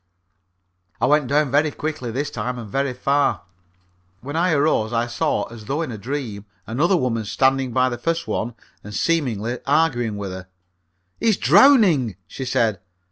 I went down very quickly this time and very far. When I arose I saw as though in a dream another woman standing by the first one and seemingly arguing with her. "He's drowning!" she said.